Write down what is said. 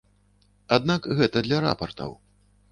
Аднак гэта для рапартаў.